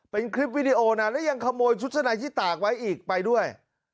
เป็นคลิปวิดีโอนะแล้วยังขโมยชุดชะในที่ตากไว้อีกไปด้วย